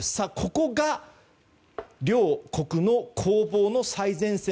ここが両国の攻防の最前線。